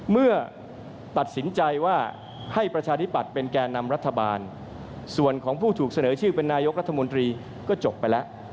เมื่อตัดสินใจว่าให้ประชาธิปัตย์เป็นแก่นำรัฐบาลส่วนของผู้ถูกเสนอชื่อเป็นนายกรัฐมนตรีก็จบไปแล้ว